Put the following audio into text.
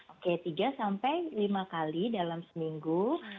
oke tiga sampai lima kali dalam seminggu